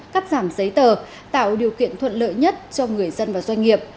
cắt giảm giấy tờ tạo điều kiện thuận lợi nhất cho người dân và doanh nghiệp